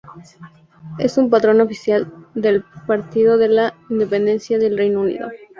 Es un patrón oficial del Partido de la Independencia del Reino Unido.